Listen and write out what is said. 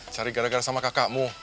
cari gara gara sama kakakmu